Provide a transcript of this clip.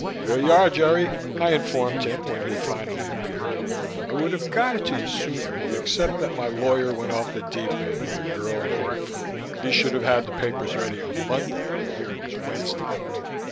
"Here you are, Jerry," I informed him when he finally appeared. "I would have got it to you sooner except that my lawyer went off the deep end with a girl in Hartford. He should have had the papers ready on Monday and here it is Wednesday."